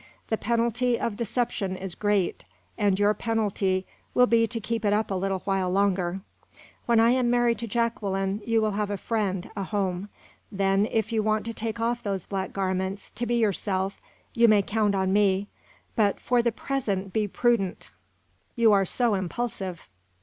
The penalty of deception is great, and your penalty will be to keep it up a little while longer. When I am married to Jacqueline, you will have a friend, a home. Then, if you want to take off those black garments, to be yourself, you may count on me; but, for the present, be prudent. You are so impulsive."